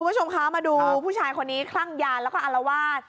ครับคู่ประชุมคะมาดูผู้ชายเงียนและขรั่งยานแล้วก็อารวาจ